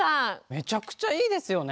めちゃくちゃいいですよね。